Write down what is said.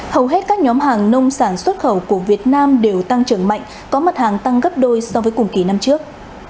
hầu hết các nhóm hàng nông sản xuất khẩu của việt nam đều tăng trưởng mạnh có mặt hàng tăng gấp đôi so với cùng kỳ năm trước